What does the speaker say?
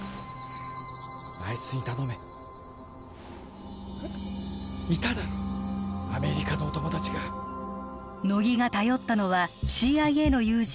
あいつに頼めえっいただろアメリカのお友だちが乃木が頼ったのはＣＩＡの友人